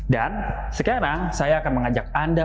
sekarang saya akan mengajak anda